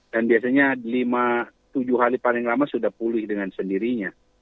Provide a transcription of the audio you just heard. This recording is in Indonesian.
dan biasanya lima tujuh hari paling lama sudah pulih dengan sendirinya